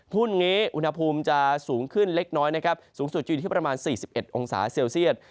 หุ้นนี้อุณหภูมิจะสูงขึ้นเล็กน้อยนะครับสูงสุดจะอยู่ที่ประมาณ๔๑องศาเซลเซียต